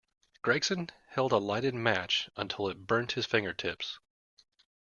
Gregson held a lighted match until it burnt his fingertips.